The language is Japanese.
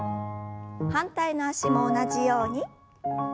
反対の脚も同じように。